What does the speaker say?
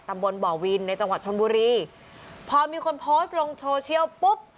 ตำบลบ่อวินในจังหวัดชนบุรีพอมีคนโพสต์ลงโซเชียลปุ๊บ